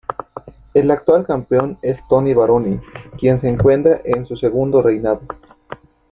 El actual campeón es Tony Baroni, quien se encuentra en su segundo reinado.